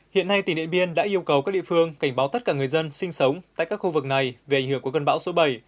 hiện nay tỉnh điện biên đã yêu cầu các địa phương cảnh báo tất cả người dân sinh sống tại các khu vực này về ảnh hưởng của cơn bão số bảy